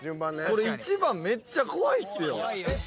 これ１番メッチャ怖いっすよ